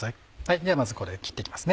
ではまずこれ切って行きますね。